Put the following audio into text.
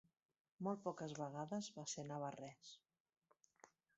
Molt poques vegades va ser navarrès.